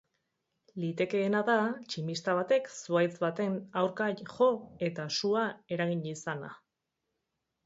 Litekeena da tximista batek zuhaitz baten aurka jo eta sua eragin izana.